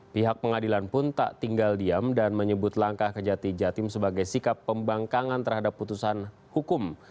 pihak pengadilan pun tak tinggal diam dan menyebut langkah kejati jatim sebagai sikap pembangkangan terhadap putusan hukum